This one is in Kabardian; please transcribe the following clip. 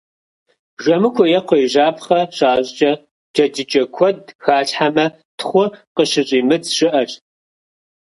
Жэмыкуэ е кхъуейжьапхъэ щащӏкӏэ джэдыкӏэ куэд халъхьэмэ, тхъу къыщыщӏимыдз щыӏэщ.